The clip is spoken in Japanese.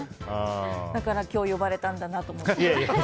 だから今日呼ばれたんだなと思って。